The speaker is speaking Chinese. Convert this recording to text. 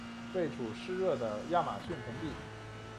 位处湿热的亚马逊盆地。